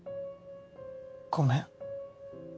ごめん。